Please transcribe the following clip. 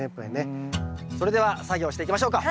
それでは作業していきましょうか！